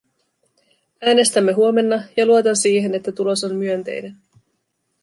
Äänestämme huomenna, ja luotan siihen, että tulos on myönteinen.